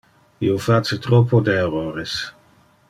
Io face troppo de errores.